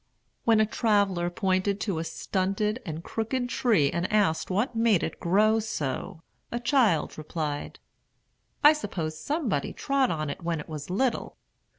When a traveller pointed to a stunted and crooked tree and asked what made it grow so, a child replied, "I suppose somebody trod on it when it was little."